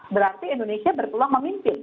berarti indonesia berpeluang memimpin